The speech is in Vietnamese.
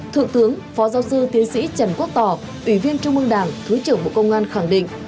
thượng tướng phó giáo sư tiến sĩ trần quốc tỏ ủy viên trung mương đảng thứ trưởng bộ công an khẳng định